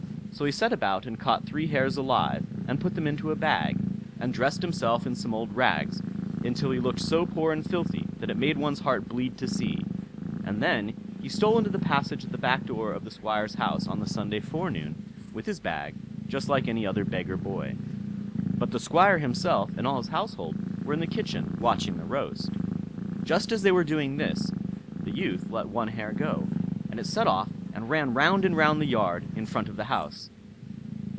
So he set about and caught three hares alive, and put them into a bag, and dressed himself in some old rags, until he looked so poor and filthy that it made one's heart bleed to see; and then he stole into the passage at the back door of the Squire's house on the Sunday forenoon, with his bag, just like any other beggar boy. But the Squire himself and all his household were in the kitchen watching the roast. Just as they were doing this, the youth let one hare go, and it set off and ran round and round the yard in front of the house.